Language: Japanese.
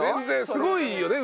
すごいよね